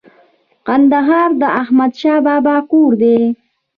کندهار د احمد شاه بابا کور دی